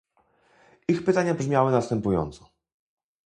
Ich pytania brzmiały następująco